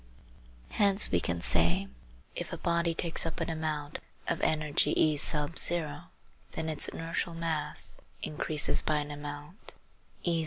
Hence we can say: If a body takes up an amount of energy E, then its inertial mass increases by an amount eq.